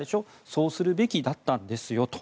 そうするべきだったんですよと。